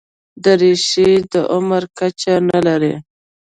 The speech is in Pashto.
دریشي د عمر کچه نه لري.